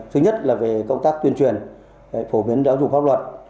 thứ nhất là về công tác tuyên truyền phổ biến giáo dục pháp luật